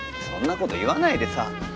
そんな事言わないでさ。